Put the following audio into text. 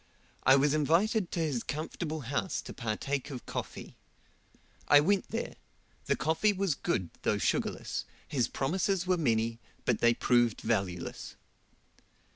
I was invited to his comfortable house to partake of coffee. I went there: the coffee was good though sugarless, his promises were many, but they proved valueless.